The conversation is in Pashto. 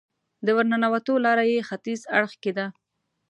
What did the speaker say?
د ورننوتو لاره یې ختیځ اړخ کې ده.